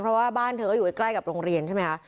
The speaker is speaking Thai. เพราะว่าบ้านเธอก็อยู่ใกล้กับโรงเรียนใช่ไหมคะ